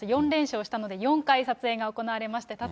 ４連勝したので、４回撮影が行われまして。